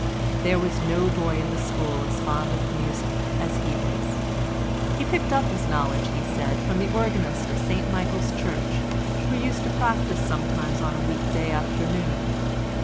There was no boy in the school as fond of music as he was. He picked up his knowledge, he said, from the organist of St Michael's Church who used to practise sometimes on a week day afternoon.